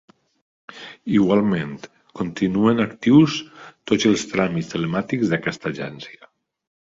Igualment, continuen actius tots els tràmits telemàtics d'aquesta Agència.